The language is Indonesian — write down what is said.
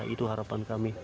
itu harapan kami